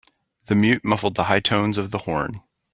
The mute muffled the high tones of the horn.